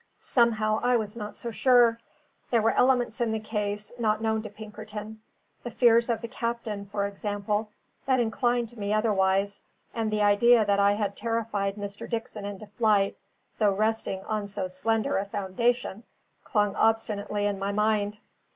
Somehow I was not so sure; there were elements in the case, not known to Pinkerton the fears of the captain, for example that inclined me otherwise; and the idea that I had terrified Mr. Dickson into flight, though resting on so slender a foundation, clung obstinately in my mind.